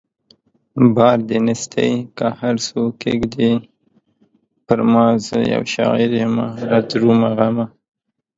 بار د نيستۍ که هر څو کښېږدې پرما زه يو شاعر يمه رادرومه غمه